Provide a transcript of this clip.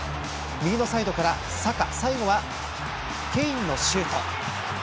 右サイドからサカ最後はケインのシュート。